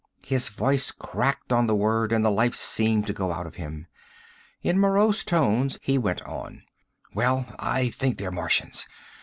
His voice cracked on the word and the life seemed to go out of him. In morose tones, he went on: "Well, I think they're Martians.